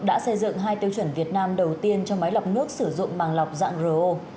đã xây dựng hai tiêu chuẩn việt nam đầu tiên cho máy lọc nước sử dụng bằng lọc dạng ro